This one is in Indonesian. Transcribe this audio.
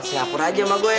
singapura aja sama gue